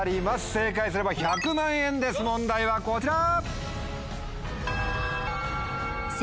正解すれば１００万円です問題はこちら。